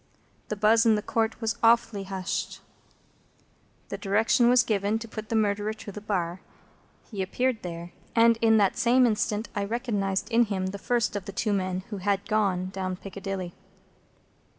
The buzz in the Court was awfully hushed. The direction was given to put the Murderer to the bar. He appeared there. And in that same instant I recognised in him the first of the two men who had gone down Piccadilly.